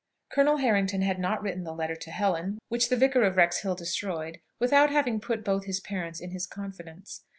Colonel Harrington had not written the letter to Helen, which the Vicar of Wrexhill destroyed, without having put both his parents in his confidence.